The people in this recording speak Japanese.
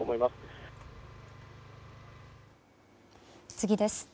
次です。